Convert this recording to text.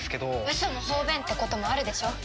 ウソも方便ってこともあるでしょ。